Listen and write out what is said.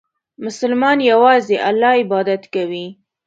مسلمان یوازې الله عبادت کوي.